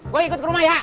gue ikut ke rumah ya